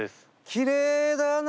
きれいだな。